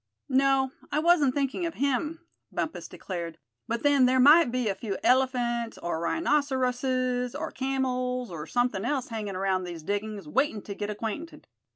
"No, I wasn't thinking of him," Bumpus declared; "but then there might be a few elephants or rhinoceroses, or camels, or something else hanging around these diggings, waiting to get acquainted.